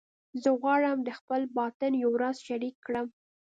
زه غواړم د خپل باطن یو راز شریک کړم